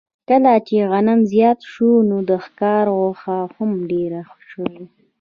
کله چې غنم زیات شو، د ښکار غوښه هم ډېره شوه.